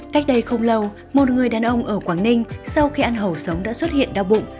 cách đây không lâu một người đàn ông ở quảng ninh sau khi ăn hầu sống đã xuất hiện đau bụng